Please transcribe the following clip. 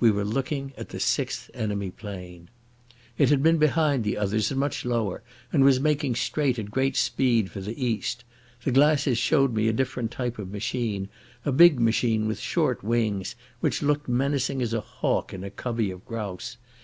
We were looking at the sixth enemy plane. It had been behind the others and much lower, and was making straight at a great speed for the east. The glasses showed me a different type of machine—a big machine with short wings, which looked menacing as a hawk in a covey of grouse.